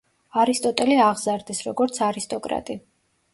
არისტოტელე აღზარდეს, როგორც არისტოკრატი.